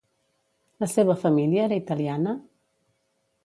La seva família era italiana?